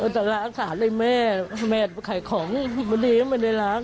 จะล้างขาดได้แม่แม่ขายของไม่ได้ล้าง